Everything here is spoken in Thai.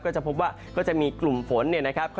จะพบว่าก็จะมีกลุ่มฝนเนี่ยนะครับ